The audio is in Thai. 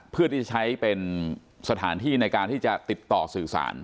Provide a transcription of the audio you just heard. เพื่อที่จะใช้เป็นสถานที่ในการที่จะติดต่อสื่อสาร